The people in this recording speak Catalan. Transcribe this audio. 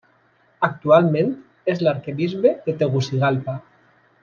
Actualment és l'arquebisbe de Tegucigalpa.